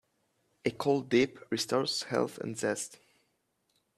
A cold dip restores health and zest.